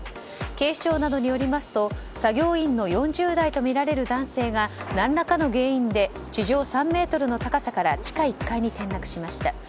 警視庁などによりますと作業員の４０代とみられる男性が何らかの原因で地上３ｍの高さから地下１階に転落しました。